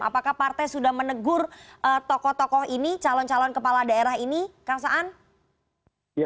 apakah partai sudah menegur tokoh tokoh ini calon calon kepala daerah ini kang saan